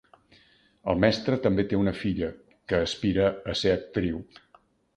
El mestre també té una filla, que aspira a ser actriu.